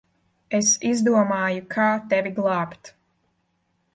Es izdomāju, kā tevi glābt.